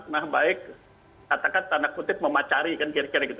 nah baik katakan tanda kutip memacari kan kira kira gitu